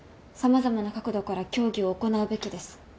さまざまな角度から協議を行なうべきです。